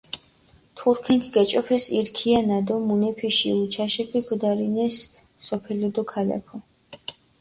თურქენქ გეჭოფეს ირ ქიანა დო მუნეფიში უჩაშეფი ქჷდარინეს სოფელო დო ქალაქო.